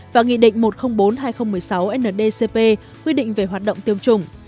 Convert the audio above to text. và nghị định một trăm linh bốn hai nghìn một mươi sáu ndcp quy định về hoạt động tiêm chủng